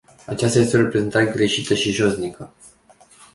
Aceasta este o reprezentare greșită și josnică.